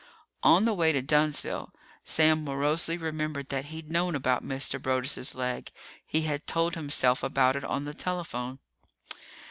On the way to Dunnsville, Sam morosely remembered that he'd known about Mr. Broaddus' leg. He had told himself about it on the telephone.